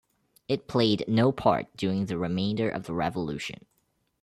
It played no part during the remainder of the Revolution.